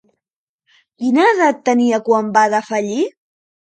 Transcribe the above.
Quina edat tenia quan va defallir?